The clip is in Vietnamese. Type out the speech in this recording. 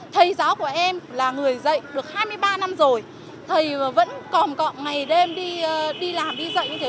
thầy giáo của em là người dạy được hai mươi ba năm rồi thầy vẫn còn cọ ngày đêm đi làm đi dạy như thế